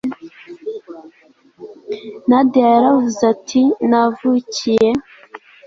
nadiya yaravuze ati navukiye